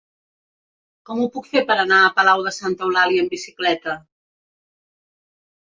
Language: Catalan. Com ho puc fer per anar a Palau de Santa Eulàlia amb bicicleta?